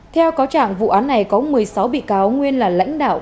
theo cáo trạng vụ án này có một mươi sáu bị cáo nguyên là lãnh đạo